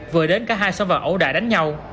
vừa đến cả hai xóm vào ẩu đại đánh nhau